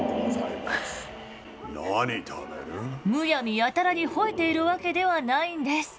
むやみやたらにほえているわけではないんです。